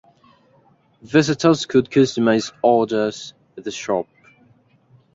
Visitors could customize orders at the shop.